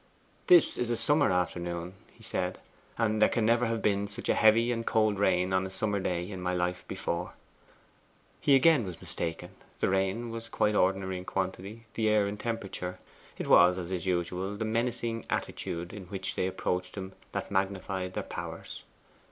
'This is a summer afternoon,' he said, 'and there can never have been such a heavy and cold rain on a summer day in my life before.' He was again mistaken. The rain was quite ordinary in quantity; the air in temperature. It was, as is usual, the menacing attitude in which they approached him that magnified their powers.